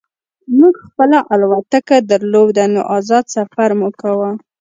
موږ خپله الوتکه درلوده نو ازاد سفر مو کاوه